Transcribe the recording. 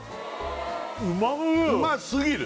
うますぎる！